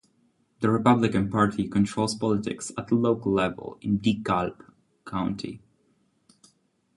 The Republican Party controls politics at the local level in DeKalb County.